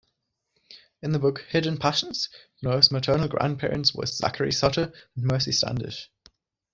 In the book "Hidden Passions", Noah's maternal grandparents were Zachary Sutter and Mercy Standish.